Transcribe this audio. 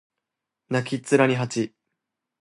泣きっ面に蜂